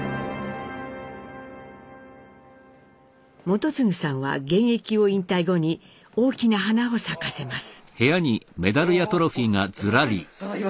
基次さんは現役を引退後に大きな花を咲かせます。